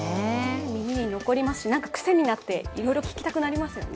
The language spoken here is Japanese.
耳に残りますし何か癖になっていろいろ聞きたくなりますよね。